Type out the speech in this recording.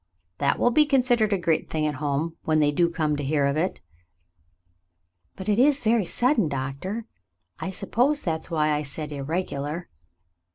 That will be con sidered a great thing at home — when they do come to hear of it." *'But it is very sudden. Doctor; I suppose that's why I said irregular."